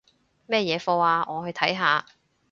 乜嘢課吖？我去睇下